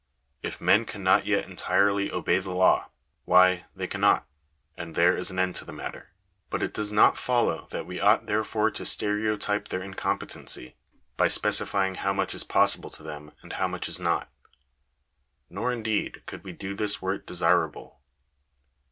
If men cannot yet entirely obey the law, why, they cannot, and there is an end Digitized by VjOOQIC CONCLUSION. 465 of the matter; but it does not follow that we ought therefore to stereotype their incompetency, by specifying how much is possible to them and how much is not. Nor, indeed, oould we do this were it desirable.